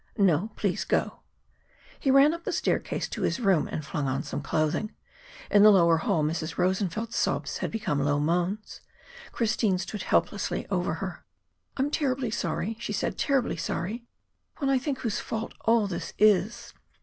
"No; please go." He ran up the staircase to his room and flung on some clothing. In the lower hall, Mrs. Rosenfeld's sobs had become low moans; Christine stood helplessly over her. "I am terribly sorry," she said "terribly sorry! When I think whose fault all this is!"